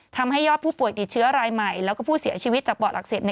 ทำให้ยอดผู้ป่วยติดเชื้อรายใหม่แล้วก็ผู้เสียชีวิตจากปอดอักเสบ